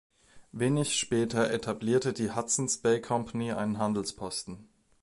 Wenig später etablierte die Hudson’s Bay Company einen Handelsposten.